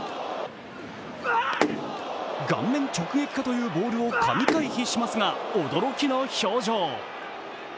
顔面直撃かというボールを神回避しますが、驚きの表情。